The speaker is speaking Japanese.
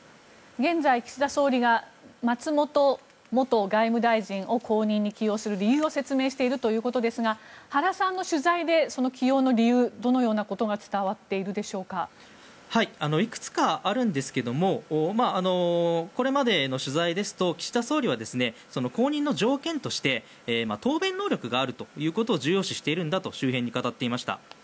現在、岸田総理が松本元外務大臣を後任に起用する理由を説明しているということですが原さんの取材で起用の理由どのようなことがいくつかあるんですがこれまでの取材ですと岸田総理は後任の条件として答弁能力があることを重要視していることを周辺に語っていました。